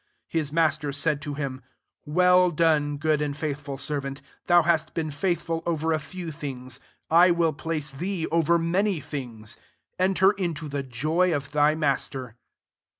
* 23 His master said to him, ' Well done, goo4 and fidthful servant : thou hast been faithful over a few things, I will place thee over many things: enter into the joy of thy master.